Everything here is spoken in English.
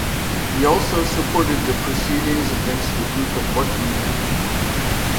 He also supported the proceedings against the Duke of Buckingham.